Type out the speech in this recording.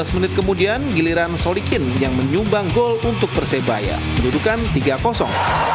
lima belas menit kemudian giliran solikin yang menyumbang gol untuk persebaya menuduhkan tiga